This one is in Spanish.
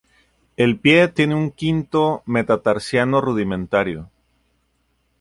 El pie tiene un quinto metatarsiano rudimentario.